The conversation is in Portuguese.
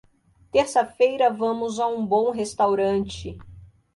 Terça-feira vamos a um bom restaurante.